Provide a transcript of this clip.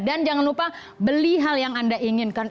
dan jangan lupa beli hal yang anda inginkan